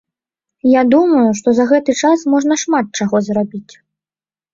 Я думаю, што за гэты час можна шмат чаго зрабіць.